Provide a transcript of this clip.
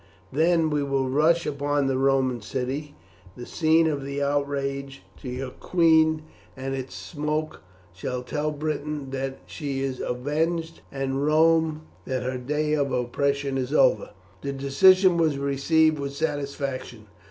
Then we will rush upon the Roman city, the scene of the outrage to your queen, and its smoke shall tell Britain that she is avenged, and Rome that her day of oppression is over." The decision was received with satisfaction.